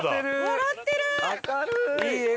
笑ってる！